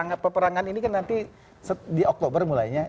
siap perperangan ini kan nanti di oktober mulainya